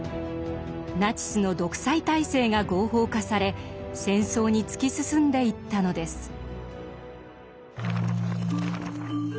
ナチスの独裁体制が合法化され戦争に突き進んでいったのです。